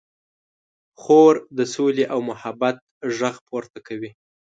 خور د سولې او محبت غږ پورته کوي.